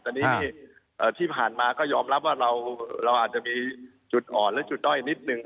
ตอนนี้ที่ผ่านมาก็ยอมรับว่าเราอาจจะมีจุดอ่อนและจุดด้อยนิดนึง